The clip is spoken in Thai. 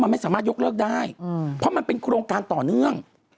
มันไม่สามารถยกเลิกได้เพราะมันเป็นโครงการต่อเนื่อง